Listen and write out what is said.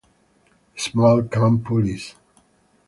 Small cam pulleys.